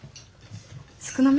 少なめ？